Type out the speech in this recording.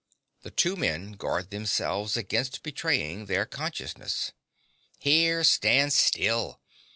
(The two men guard themselves against betraying their consciousness.) Here! Stand still.